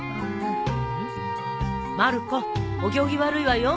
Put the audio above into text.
まる子お行儀悪いわよ。